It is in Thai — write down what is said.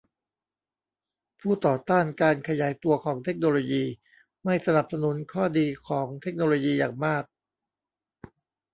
ผู้ต่อต้านการขยายตัวของเทคโนโลยีไม่สนับสนุนข้อดีของเทคโนโลยีอย่างมาก